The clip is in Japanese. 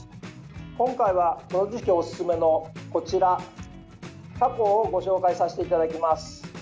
今回は、この時期おすすめのこちら、タコをご紹介させていただきます。